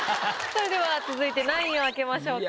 それでは続いて何位を開けましょうか？